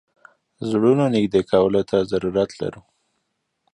زړونو نېږدې کولو ته ضرورت لرو.